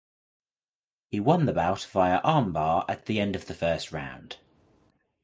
He won the bout via armbar at the end of the first round.